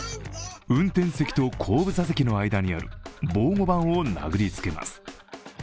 運転席と後部座席の間にある防護板を殴りつけます。